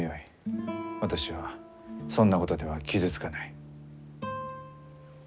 私はそんなことでは傷つかない。